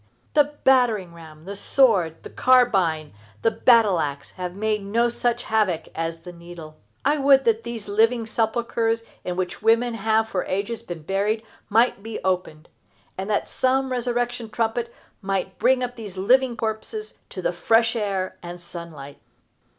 The battering ram, the sword, the carbine, the battle axe have made no such havoc as the needle. I would that these living sepulchres in which women have for ages been buried might be opened, and that some resurrection trumpet might bring up these living corpses to the fresh air and sunlight.